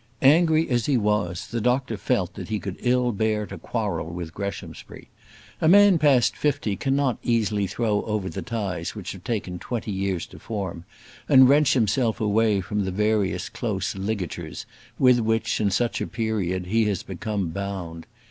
Angry as he was, the doctor felt that he could ill bear to quarrel with Greshamsbury. A man past fifty cannot easily throw over the ties that have taken twenty years to form, and wrench himself away from the various close ligatures with which, in such a period, he has become bound.